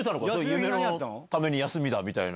夢のために休み。